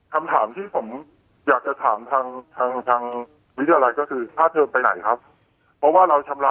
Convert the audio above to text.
คำถามที่ผมอยากจะถามทางทางทางวิทยาลัยก็คือค่าเทิมไปไหนครับเพราะว่าเราชำระ